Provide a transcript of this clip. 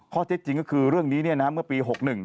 ข้อเท็จจริงก็คือเรื่องนี้เมื่อปี๖๑